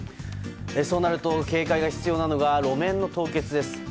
そうなると警戒が必要なのが路面の凍結です。